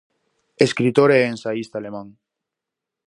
Escritor e ensaísta alemán.